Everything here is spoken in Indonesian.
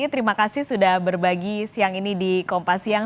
terima kasih sudah berbagi siang ini di kompas siang